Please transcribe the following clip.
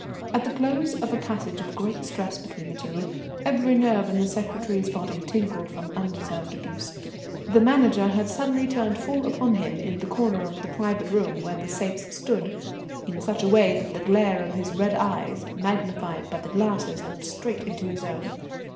At the close of a passage of great stress between the two, every nerve in the secretary's body tingling from undeserved abuse, the Manager had suddenly turned full upon him, in the corner of the private room where the safes stood, in such a way that the glare of his red eyes, magnified by the glasses, looked straight into his own.